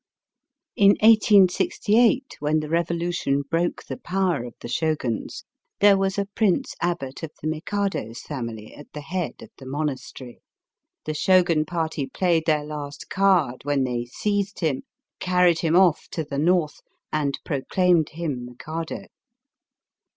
In 1868, when the revolution broke the power of the Shoguns, there was a Prince Abbot of the Mikado's family at the head of the monastery. The Shogan party played their last card when they seized him, carried him off to the North, and proclaimed him Mikado.